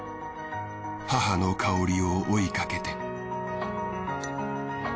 母の香りを追いかけて。